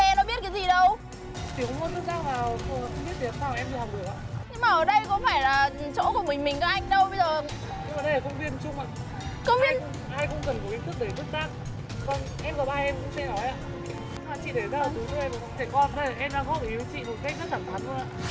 em không thể con em không thể hiểu chị một cách rất chẳng thắn